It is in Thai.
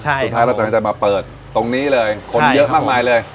สุดท้ายเราตัดสินใจมาเปิดตรงนี้เลยคนเยอะมากมายเลย